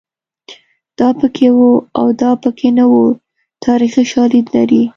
دا پکې وو او دا پکې نه وو تاریخي شالید لري